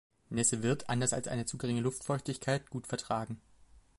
Nässe wird, anders als eine zu geringe Luftfeuchtigkeit, gut vertragen.